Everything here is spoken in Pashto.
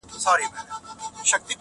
ه ياره کندهار نه پرېږدم_